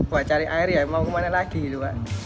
buat cari air ya mau ke mana lagi gitu